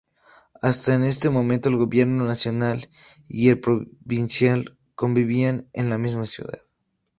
Hasta ese momento el gobierno nacional y el provincial convivían en la misma ciudad.